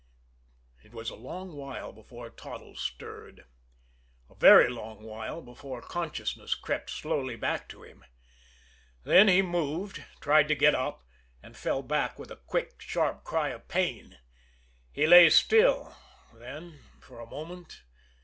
It was a long while before Toddles stirred; a very long while before consciousness crept slowly back to him. Then he moved, tried to get up and fell back with a quick, sharp cry of pain. He lay still, then, for a moment.